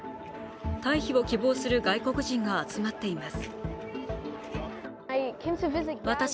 退避を希望する外国人が集まっています。